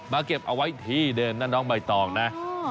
เก็บเอาไว้ที่เดิมนะน้องใบตองนะ